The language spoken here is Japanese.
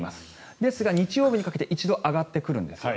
ですが日曜日にかけて一度上がってくるんですよね。